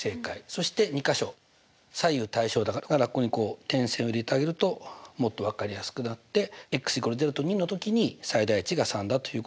そして２か所左右対称だからだからここにこう点線を入れてあげるともっと分かりやすくなって＝０と２のときに最大値が３だということが分かると。